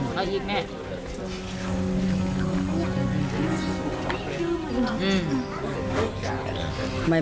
เอาอีกแม่